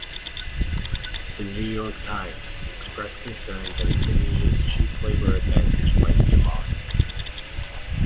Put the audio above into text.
"The New York Times" expressed concern that Indonesia's cheap labour advantage might be lost.